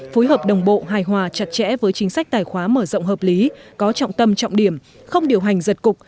phối hợp đồng bộ hài hòa chặt chẽ với chính sách tài khoá mở rộng hợp lý có trọng tâm trọng điểm không điều hành giật cục